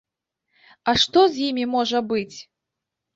А што з імі можа быць?